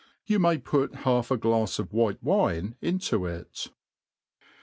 You may put half a gUfs'Of white wine into it.